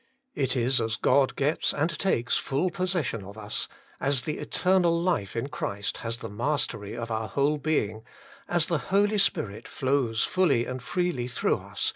It is as God gets and takes full possession of us, as the eternal life in Christ has the mastery of our whole being, as the Holy Spirit flows fully and freely through us, 94 HOLY IN CHRIST.